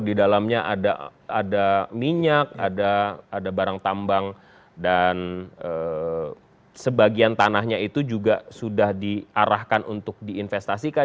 di dalamnya ada minyak ada barang tambang dan sebagian tanahnya itu juga sudah diarahkan untuk diinvestasikan